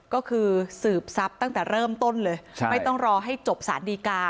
ก็คือสืบทรัพย์ตั้งแต่เริ่มต้นเลยไม่ต้องรอให้จบสารดีกา